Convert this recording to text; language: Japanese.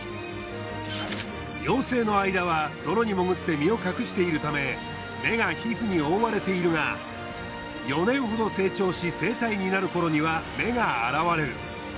幼生の間は泥に潜って身を隠しているため目が皮膚に覆われているが４年ほど成長し成体になるころには目が現れる。